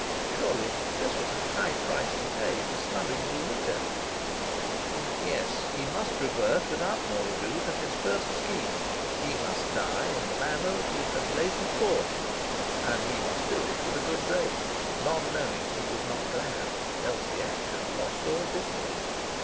Surely, this was a high price to pay for snubbing Zuleika... Yes, he must revert without more ado to his first scheme. He must die in the manner that he had blazoned forth. And he must do it with a good grace, none knowing he was not glad; else the action lost all dignity.